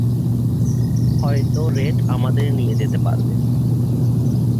হয়তো রেড আমাদের নিয়ে যেতে পারবে!